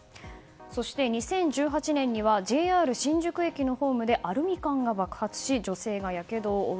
そして２０１８年にはＪＲ新宿駅のホームでアルミ缶が爆発し女性がやけどを負う。